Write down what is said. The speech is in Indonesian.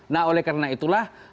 nah oleh karena itulah